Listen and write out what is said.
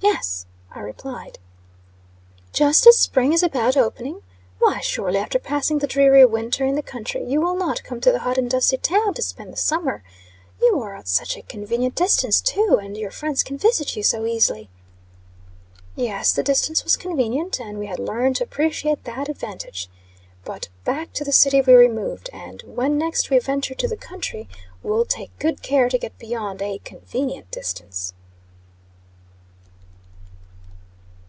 "Yes," I replied. "Just as spring is about opening? Why, surely, after passing the dreary winter in the country, you will not come to the hot and dusty town to spend the summer? You are at such a convenient distance too; and your friends can visit you so easily." Yes, the distance was convenient; and we had learned to appreciate that advantage. But back to the city we removed; and, when next we venture to the country, will take good care to get beyond a convenient distance.